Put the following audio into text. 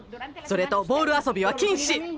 それとボール遊びは禁止！